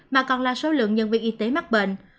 mà còn là số lượng nhân viên y tế mắc bệnh